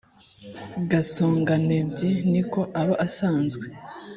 gasongantebyi ni ko aba asanzwe